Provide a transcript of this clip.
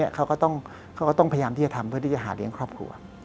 เขาก็ต้องพยายามที่จะทำเพื่อที่จะหาเลี้ยงครอบครัว